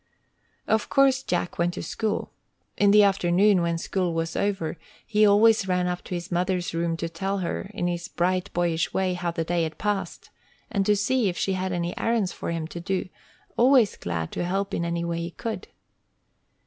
Of course Jack went to school. In the afternoon, when school was over, he always ran up to his mother's room to tell her, in his bright, boyish way, how the day had passed, and to see if she had any errands for him to do, always glad to help in any way he could.